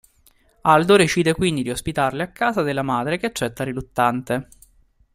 Aldo decide quindi di ospitarli a casa della madre, che accetta riluttante.